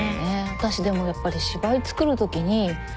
私でもやっぱり芝居作るときに両立